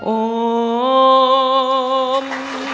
โอ้ม